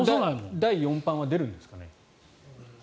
第４版は出るんですかね。